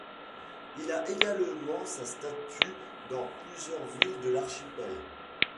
Il a également sa statue dans plusieurs villes de l'archipel.